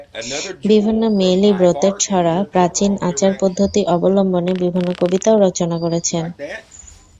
বিভিন্ন মেয়েলি ব্রতের ছড়া, প্রাচীন আচার-পদ্ধতি অবলম্বনে বিভিন্ন কবিতাও রচনা করেছেন।